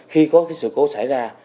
khi có sự cố xảy ra